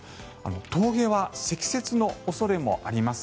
峠は積雪の恐れもあります。